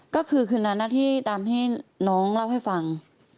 ก็คือคืนนั้นที่ตามให้น้องเล่าให้ฟัง